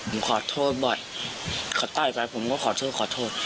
ผมขอโทษบ่อยเขาต่อยไปผมก็ขอโทษขอโทษ